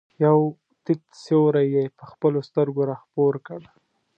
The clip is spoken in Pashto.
یو تت سیوری یې په خپلو سترګو را خپور کړ.